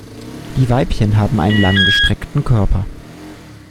Die Weibchen haben einen langgestreckten Körper.